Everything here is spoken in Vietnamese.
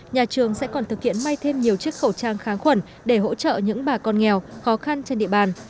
nhà trường sẽ còn thực hiện may thêm nhiều chiếc khẩu trang kháng khuẩn để hỗ trợ những bà con nghèo khó khăn trên địa bàn